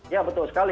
ya betul sekali